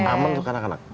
aman untuk anak anak